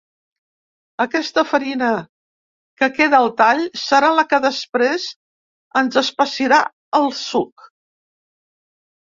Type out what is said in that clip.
Aquesta farina que queda al tall serà la que després ens espessirà el suc.